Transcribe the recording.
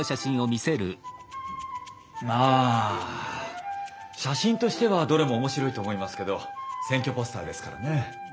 ああ写真としてはどれも面白いと思いますけど選挙ポスターですからね。